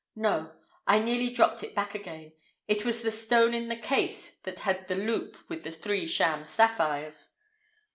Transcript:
No! I nearly dropped it back again. It was the stone in the case that had the loop with the three sham sapphires!